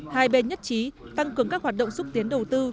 hai bên nhất trí tăng cường các hoạt động xúc tiến đầu tư